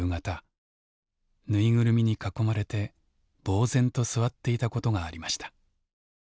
縫いぐるみに囲まれてぼう然と座っていたことがありました。